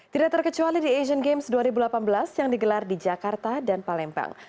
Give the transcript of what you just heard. tidak terkecuali di asian games dua ribu delapan belas yang digelar di jakarta dan palembang